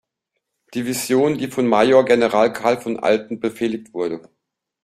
Division, die von Major-General Carl von Alten befehligt wurde.